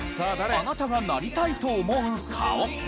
あなたがなりたいと思う顔。